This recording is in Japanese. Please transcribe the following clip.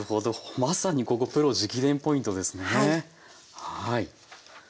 まさにここプロ直伝ポイントですね。